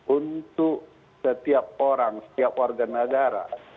untuk setiap orang setiap warga negara